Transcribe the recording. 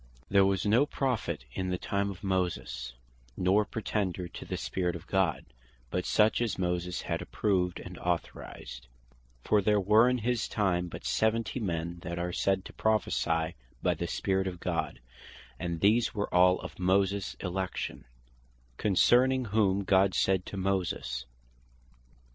All Spirits Were Subordinate To The Spirit Of Moses There was no Prophet in the time of Moses, nor pretender to the Spirit of God, but such as Moses had approved, and Authorized. For there were in his time but Seventy men, that are said to Prophecy by the Spirit of God, and these were of all Moses his election; concerning whom God saith to Moses (Numb.